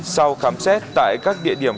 sau khám xét tại các địa điểm